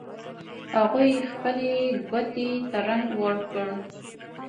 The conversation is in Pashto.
هغوی خپلې کوټې ته رنګ ور کړ